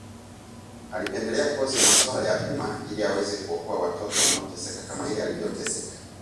Alipendelea kozi ya Maswala ya Umma ili aweze kuokoa watoto wanaoteseka kama yeye alivyoteseka